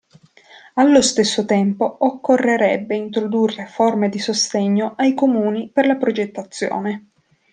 Allo stesso tempo, occorrerebbe introdurre forme di sostegno ai comuni per la progettazione.